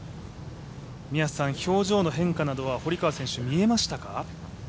表情の変化などは堀川選手見えましたか？